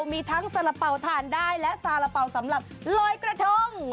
มีทั้งสาระเป๋าถ่านได้และสาระเป๋าสำหรับลอยกระทง